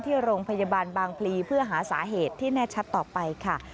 ที่โรงพยาบาลบางพลีเพื่อหาสาเหตุที่แน่ชัดต่อไปค่ะ